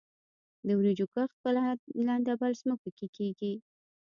د وریجو کښت په لندبل ځمکو کې کیږي.